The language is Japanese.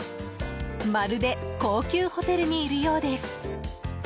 まるで高級ホテルにいるようです。